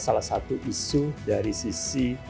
salah satu isu dari sisi